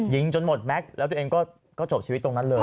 จนหมดแม็กซ์แล้วตัวเองก็จบชีวิตตรงนั้นเลย